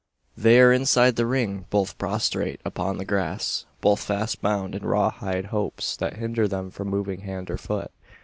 They are inside the ring, both prostrate upon the grass; both fast bound in raw hide ropes, that hinder them from moving hand or foot.